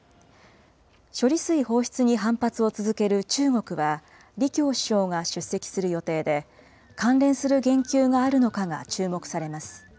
処理水放出に反発を続ける中国は、李強首相が出席する予定で、関連する言及があるのかが注目されます。